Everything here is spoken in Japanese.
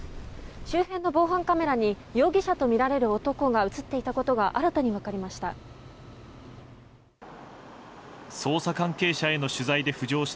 周辺の防犯カメラに容疑者とみられる男が映っていたことが新たに分かりました。